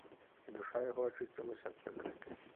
І душа яго ачысцілася ад прыкрасці.